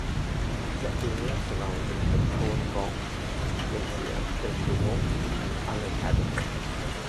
The area surrounding the Kronborg Glacier is remote and uninhabited.